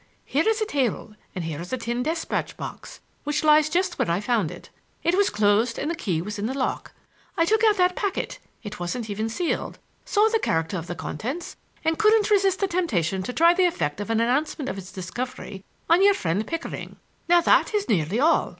Here is a table, and here is a tin despatch box, which lies just where I found it. It was closed and the key was in the lock. I took out that packet—it wasn't even sealed—saw the character of the contents, and couldn't resist the temptation to try the effect of an announcement of its discovery on your friend Pickering. Now that is nearly all.